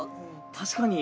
確かに。